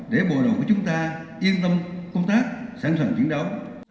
để bộ đội của chúng ta yên tâm công tác sẵn sàng chiến đấu